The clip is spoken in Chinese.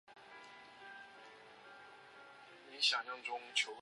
安多尼在受洗取名福尔南多。